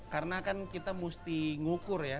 karena kan kita mesti ngukur ya